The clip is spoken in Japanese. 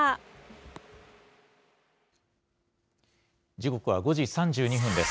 時刻は５時３２分です。